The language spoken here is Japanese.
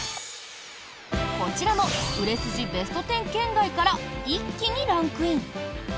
こちらも売れ筋ベスト１０圏外から一気にランクイン。